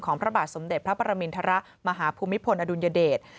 พระบาทสมเด็จพระปรมินทรมาหาภูมิพลอดุลยเดช